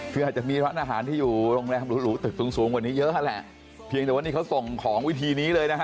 คืออาจจะมีร้านอาหารที่อยู่โรงแรมหรูตึกสูงสูงกว่านี้เยอะแหละเพียงแต่ว่านี่เขาส่งของวิธีนี้เลยนะฮะ